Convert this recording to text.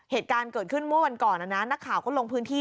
เหตุการณ์เกิดขึ้นเมื่อวันก่อนนะนักข่าวก็ลงพื้นที่